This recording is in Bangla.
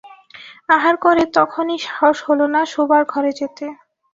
আহার করে তখনই সাহস হল না শোবার ঘরে যেতে।